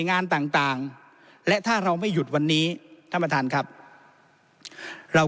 งานต่างต่างและถ้าเราไม่หยุดวันนี้ท่านประธานครับเรา